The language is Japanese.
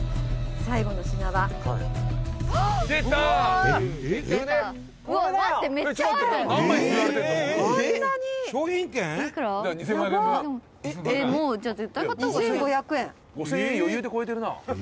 長谷川：「５０００円余裕で超えてるな」